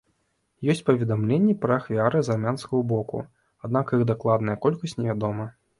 Ёсць паведамленні пра ахвяры з армянскага боку, аднак іх дакладная колькасць невядома.